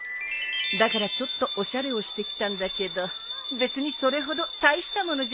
だからちょっとおしゃれをしてきたんだけど別にそれほど大したものじゃないよ。